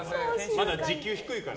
まだ時給低いから。